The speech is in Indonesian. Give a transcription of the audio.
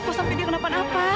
kok sampai dia kenapa napa